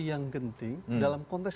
yang genting dalam konteks